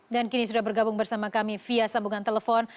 dan kini sudah bergabung bersama kami via sambungan telepon